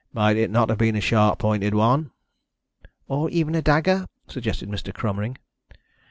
"Might it not have been a sharp pointed one?" "Or even a dagger?" suggested Mr. Cromering.